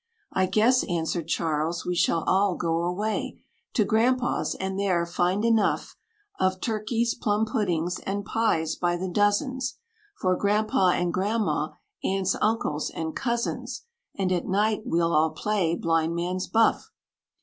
"I guess," answered Charles, "we shall all go away To Grandpa's; and there find enough Of turkeys, plum puddings, and pies by the dozens, For Grandpa' and Grandma', aunts, uncles and cousins; And at night we'll all play blind man's buff.